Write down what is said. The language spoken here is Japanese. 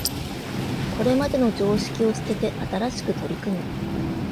これまでの常識を捨てて新しく取り組む